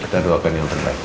kita doakan yang terbaik